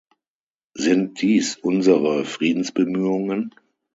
Sind dies unsere Friedensbemühungen?